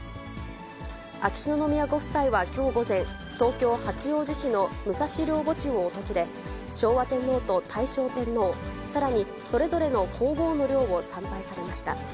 秋篠宮ご夫妻はきょう午前、東京・八王子市の武蔵陵墓地を訪れ、昭和天皇と大正天皇、さらにそれぞれの皇后の陵を参拝されました。